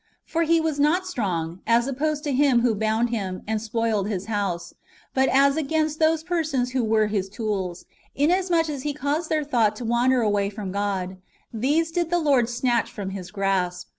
For he was not strong, as opposed to Him who bound him, and spoiled his house ; but as against those persons who were his tools, inasmuch as he caused their thought to wander away from God : these did the Lord snatch from his grasp.